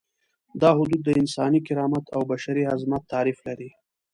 دا حدود د انساني کرامت او بشري عظمت تعریف لري.